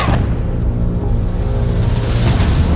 ได้